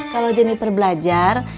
kalau jeniper belajar